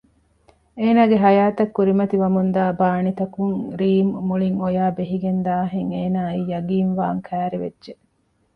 އޭނަގެ ހަޔާތަށް ކުރިމަތި ވަމުންދާ ބާނިތަކުން ރީމް މުޅިން އޮޔާ ބެހިގެން ދާހެން އޭނައަށް ޔަގީންވާން ކައިރިވެއްޖެ